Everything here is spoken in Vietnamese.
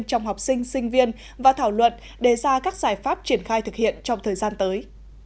trong học sinh sinh viên và thảo luận đề ra các giải pháp triển khai thực hiện trong thời gian tới